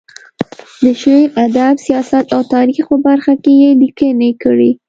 د شعر، ادب، سیاست او تاریخ په برخه کې یې لیکنې کړې.